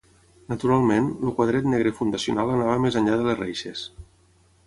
Naturalment, el quadret negre fundacional anava més enllà de les reixes.